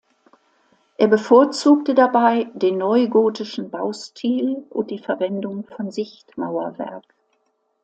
Er bevorzugte dabei den neugotischen Baustil und die Verwendung von Sichtmauerwerk.